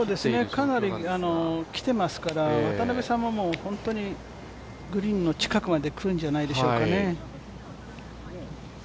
かなりきてますから渡邉さんもグリーンの近くまでくるんじゃないでしょうかね。